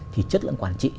thì chất lượng quản trị